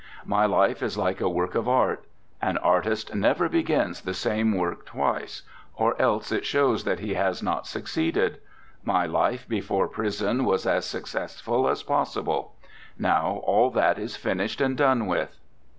My life is like a work of art. An artist never begins the same work twice, or else it shows that he has not succeeded. My life before prison was as successful as possible. Now all that is finished and done with.'